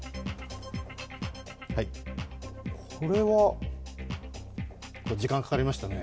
これは？時間かかりましたね